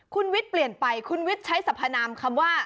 คุณวิทย์เปลี่ยนไปคุณวิทย์ใช้สัพพนามคำว่า